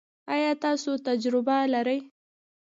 ایا تاسو تجربه لرئ؟